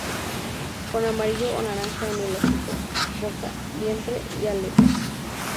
Con amarillo o naranja en el hocico, boca, vientre y aletas.